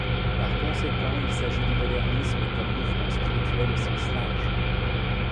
Par conséquent, il s'agit du modernisme comme mouvement spirituel au sens large.